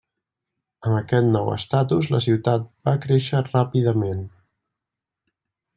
Amb aquest nou estatus la ciutat va créixer ràpidament.